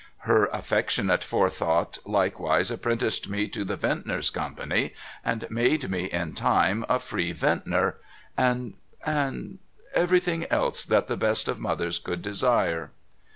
Her affectionate forethought likewise apprenticed me to the Vintners Company, and made me in time a free Vintner, and — and — everything else that the best of mothers could desire.